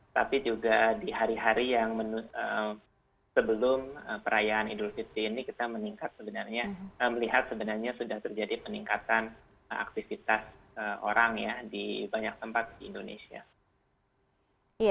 tapi juga di hari hari yang sebelum perayaan idul fitri ini kita meningkat sebenarnya melihat sebenarnya sudah terjadi peningkatan aktivitas orang ya di banyak tempat di indonesia